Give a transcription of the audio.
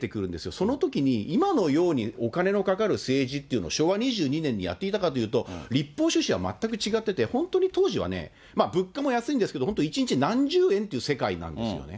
そのときに今のようにお金のかかる政治というのを、昭和２２年にやっていたかというと、立法趣旨は全く違ってて、本当に当時は物価も安いんですけど、一日何十円という世界なんですよね。